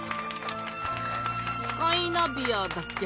スカイナビアだっけ？